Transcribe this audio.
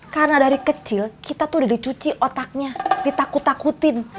karena dari kecil kita tuh udah dicuci otaknya ditakut takutin